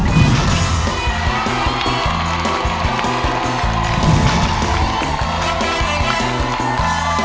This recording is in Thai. เพนเอ้ย